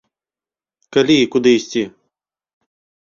Калі і куды ісці?